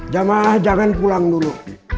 jamah jangan pulang dulu